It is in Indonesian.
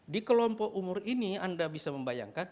di kelompok umur ini anda bisa membayangkan